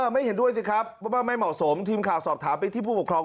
ไม่เห็นด้วยสิครับว่าไม่เหมาะสมทีมข่าวสอบถามไปที่ผู้ปกครอง